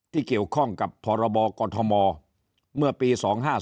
ที่เกี่ยวข้องกับพรบกฎธมเมื่อปี๒๕๔